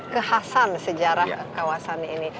kehasean sejarah kawasan ini